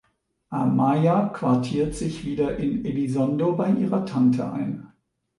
Amaia quartiert sich wieder in Elizondo bei ihrer Tante ein.